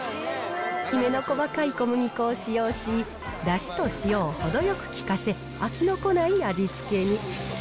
きめの細かい小麦粉を使用し、だしと塩を程よく効かせ、飽きのこない味付けに。